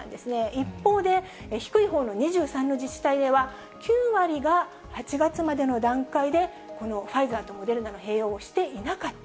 一方で、低いほうの２３の自治体では、９割が８月までの段階でこのファイザーとモデルナの併用をしていなかった。